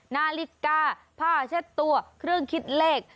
นาฬิกาผ้าเช็ดตัวเครื่องคิดเลข